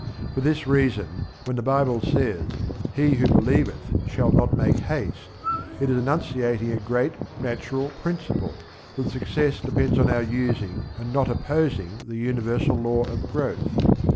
For this reason when the Bible says that "he who believeth shall not make haste," it is enunciating a great natural principle that success, depends on our using, and not opposing, the universal law of growth.